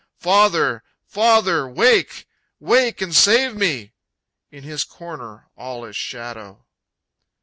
Father, Father, wake! wake and save me! In his corner all is shadow.